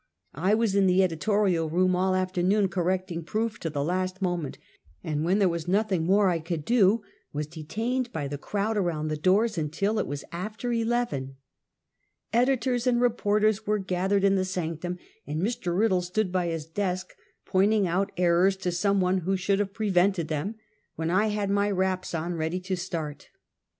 I was in the editorial room all afternoon, correcting proof to the last moment, and when there was nothing more I could do, was detained by the crowd around the doors until it was after eleven. Editors and reporters were gathered in the sanctum, and Mr. Riddle stood by his desk pointing out errors to some one who should have prevented them, when I had my wraps on ready to start. Mr.